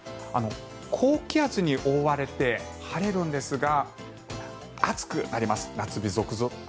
高気圧に覆われて晴れるんですが暑くなります。